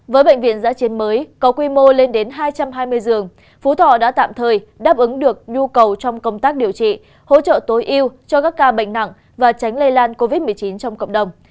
với bệnh viện giã chiến mới có quy mô lên đến hai trăm hai mươi giường phú thọ đã tạm thời đáp ứng được nhu cầu trong công tác điều trị hỗ trợ tối ưu cho các ca bệnh nặng và tránh lây lan covid một mươi chín trong cộng đồng